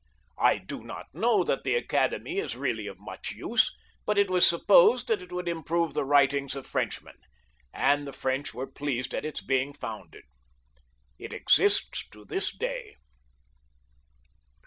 I do not know that the Academy is really of much use, but it was supposed that it would improve the writings of Frenchmen, and the French were pleased at its being founded. It exists to this day.